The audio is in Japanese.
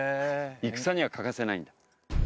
戦には欠かせないんだ。